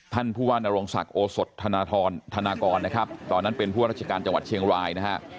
ท่านผู้ว่านโรงศักดิ์โอสดธนทรธนากรนะครับตอนนั้นเป็นผู้ราชการจังหวัดเชียงรายนะฮะ